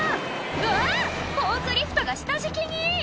うわっフォークリフトが下敷きに！